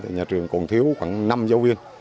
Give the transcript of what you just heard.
nhà trường còn thiếu khoảng năm giáo viên